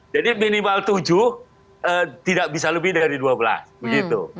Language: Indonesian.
jadi minimal tujuh tidak bisa lebih dari dua belas begitu